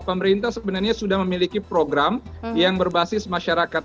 pemerintah sebenarnya sudah memiliki program yang berbasis masyarakat